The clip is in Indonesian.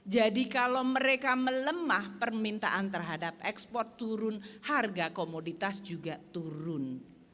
jadi kalau mereka melemah permintaan terhadap ekspor turun harga komoditas juga turun